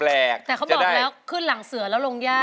แต่เขาบอกแล้วขึ้นหลังเสือแล้วลงย่า